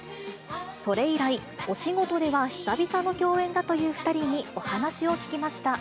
それ以来、お仕事では久々の共演だという２人にお話を聞きました。